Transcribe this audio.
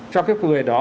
cho các người đó